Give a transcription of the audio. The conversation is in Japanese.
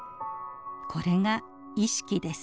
これが意識です。